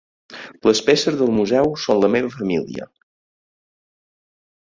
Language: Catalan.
Les peces del museu són la meva família.